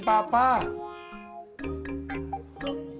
udah siap ya mines